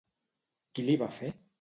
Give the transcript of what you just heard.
Qui li va fer?